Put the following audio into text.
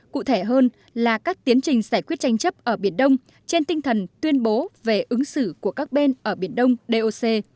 cụ thể hơn là các tiến trình giải quyết tranh chấp ở biển đông trên tinh thần tuyên bố về ứng xử của các bên ở biển đông doc